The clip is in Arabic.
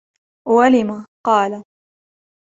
وَلِمَ ؟ قَالَ